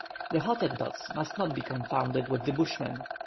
The Hottentots must not be confounded with the Bushmen.